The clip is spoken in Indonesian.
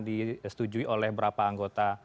disetujui oleh berapa anggota